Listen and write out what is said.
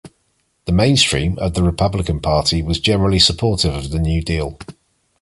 The mainstream of the Republican Party was generally supportive of the New Deal.